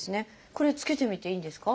これ着けてみていいんですか？